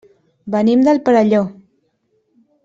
Venim del Perelló.